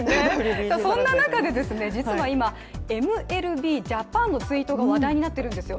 そんな中で、実は今ＭＬＢＪａｐａｎのツイートが話題になっているんですよ。